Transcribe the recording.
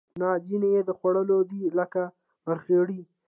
نه ځینې یې د خوړلو دي لکه مرخیړي